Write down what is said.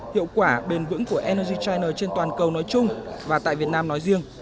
hiệu quả bền vững của energy china trên toàn cầu nói chung và tại việt nam nói riêng